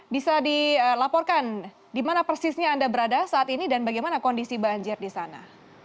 bisa dilaporkan di mana persisnya anda berada saat ini dan bagaimana kondisi banjir di sana